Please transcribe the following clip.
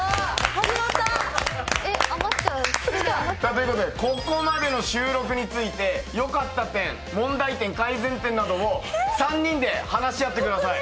ということでここまでの収録について良かった点問題点改善点などを３人で話し合ってください。